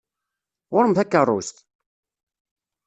Ɣur-m takeṛṛust!